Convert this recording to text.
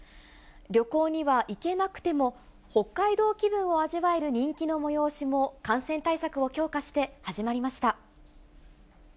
旅行には行けなくても、北海道気分を味わえる人気の催しも、感染対策を強化して始まりました。